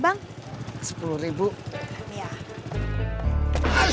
tunggu sebentar ya kakak